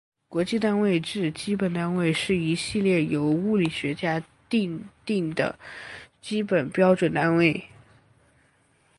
国际单位制基本单位是一系列由物理学家订定的基本标准单位。